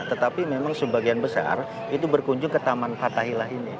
tetapi memang sebagian besar itu berkunjung ke taman fathahillah ini